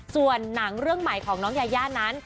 ส่วนหนังเรื่องใหม่ของน้องยายานั้น